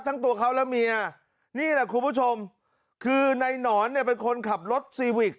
ทั้งตัวเขาและเมียนี่แหละคุณผู้ชมคือในหนอนเนี่ยเป็นคนขับรถซีวิก